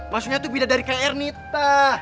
maksudnya tuh beda dari kayak ernita